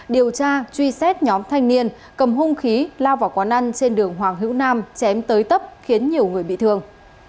điều tra truy xét nhóm thanh niên cầm hung khí lao vào quán ăn trên đường hoàng hữu nam chém tới tấp khiến nhiều người bị thương